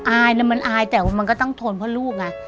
อายนะมันอายแต่ว่ามันก็ต้องทนเพราะลูกไง